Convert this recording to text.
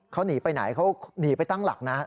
เขาหนีไปไหนเขาหนีไปตั้งหลักนะ